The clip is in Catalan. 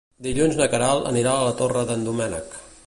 Dilluns na Queralt anirà a la Torre d'en Doménec.